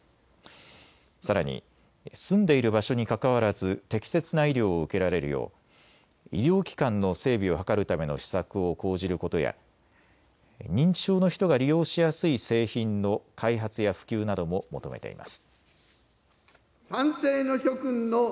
さらに住んでいる場所にかかわらず適切な医療を受けられるよう医療機関の整備を図るための施策を講じることや認知症の人が利用しやすい製品の開発や普及なども求めています。